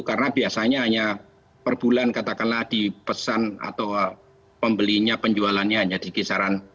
karena biasanya hanya perbulan katakanlah di pesan atau pembelinya penjualannya hanya di kisaran